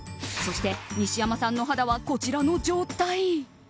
そして、西山さんの肌はこちらの状態。